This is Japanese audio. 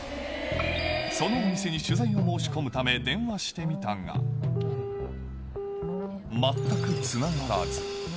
そのお店に取材を申し込むため、電話してみたが、全くつながらず。